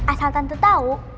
asal tante tahu